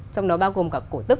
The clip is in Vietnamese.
trong đó bao gồm cả cổ tức